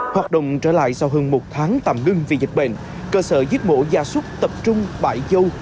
hoạt động trở lại sau hơn một tháng tạm ngưng vì dịch bệnh cơ sở riết mổ da sốt tập trung bại dâu